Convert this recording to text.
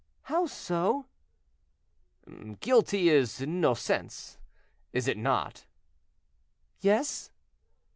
"How so?" "Guilty is 'nocens,' is it not?" "Yes."